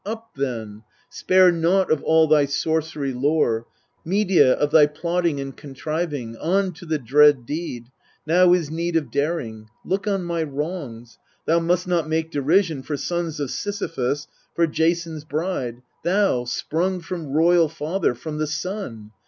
Up, then ! spare naught of all thy sorcery lore, Medea, of thy plotting and contriving ; On to the dread deed ! Now is need of daring. Look on my wrongs : thou must not make derision For sons of Sisyphus, for Jason's bride Thou, sprung from royal father, from the Sun